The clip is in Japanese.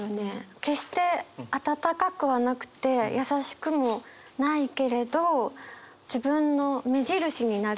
決して温かくはなくて優しくもないけれど自分の目印になる。